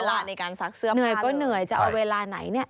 เหนื่อยก็เหนื่อยจะเอาเวลาไหนเนี่ย